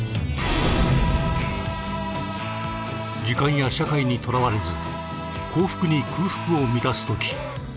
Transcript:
時間や社会にとらわれず幸福に空腹を満たすとき